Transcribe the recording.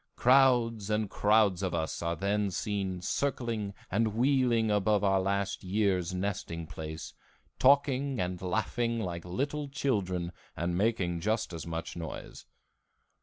Crowds and crowds of us are then seen circling and wheeling above our last year's nesting place, talking and laughing like little children and making just as much noise.